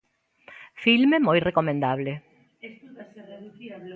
Filme moi recomendable.